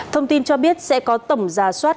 thông tin cho biết sẽ có tổng ra soát